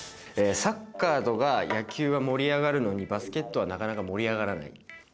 サッカーとか野球は盛り上がるのにバスケットはなかなか盛り上がらない。